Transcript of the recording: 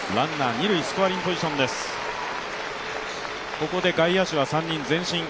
ここで外野手は３人前進。